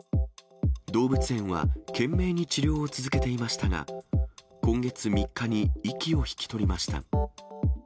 動物園は懸命に治療を続けていましたが、今月３日に息を引き取りました。